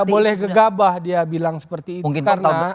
tidak boleh gegabah dia bilang seperti itu